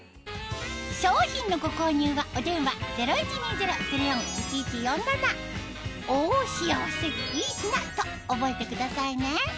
商品のご購入はお電話０１２０−０４−１１４７と覚えてくださいね